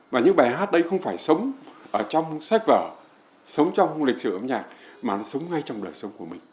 và những bài hát đây không phải sống ở trong sách vở sống trong lịch sử âm nhạc mà nó sống ngay trong đời sống của mình